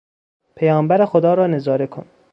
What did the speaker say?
پیامبر خدا را نظاره کن!